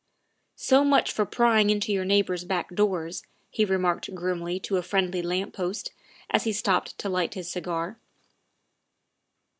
" So much for prying into your neighbors' back doors," he remarked grimly to a friendly lamp post as he stopped to light his cigar.